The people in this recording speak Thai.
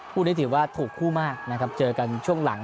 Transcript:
คู่นี้ถือว่าถูกคู่มากนะครับเจอกันช่วงหลัง